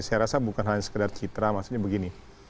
saya rasa bukan hanya sekedar citra maksudnya begini